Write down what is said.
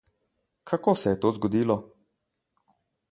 Kako se je to zgodilo?